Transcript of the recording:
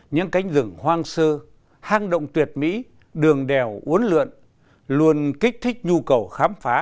những cánh rừng hoang sơ hang động tuyệt mỹ đường đèo uốn lượn luôn kích thích nhu cầu khám phá